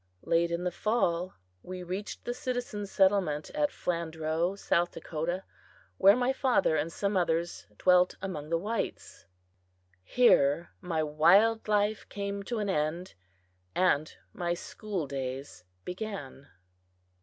Late in the fall we reached the citizen settlement at Flandreau, South Dakota, where my father and some others dwelt among the whites. Here my wild life came to an end, and my school days began.